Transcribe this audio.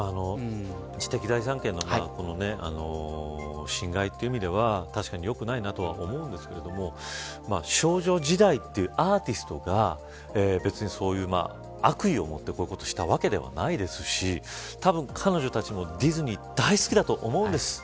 知的財産権の侵害という意味では確かによくないなとは思うんですが少女時代というアーティストが悪意をもって、こういうことをしたわけではないですしたぶん彼女たちもディズニー大好きだと思うんです。